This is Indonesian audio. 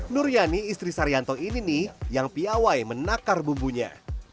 nur yani istri saryanto ini nih yang piawai menakar bumbunya